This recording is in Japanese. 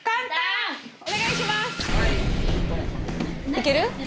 いける？